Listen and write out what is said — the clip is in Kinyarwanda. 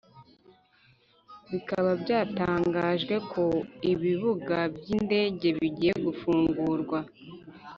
Bikaba byatangajwe ko ibibuga byindege bigiye gufungurwa